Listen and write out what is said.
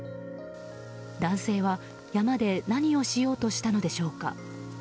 男性は、山で何をしようとしたのでしょうか。